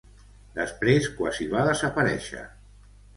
Després quasi va desaparèixer.